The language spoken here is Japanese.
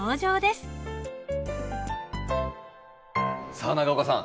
さあ長岡さん